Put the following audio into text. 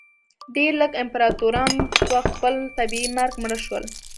ډېر لږ امپراتوران په خپل طبیعي مرګ مړه شول.